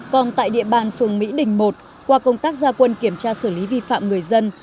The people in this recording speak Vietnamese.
còn tại địa bàn phường mỹ đình một qua công tác gia quân kiểm tra xử lý vi phạm người dân